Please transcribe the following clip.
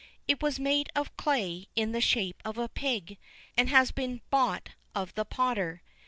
It was made of clay in the shape of a pig, and had been bought of the potter.